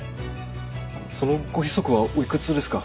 そのご子息はおいくつですか。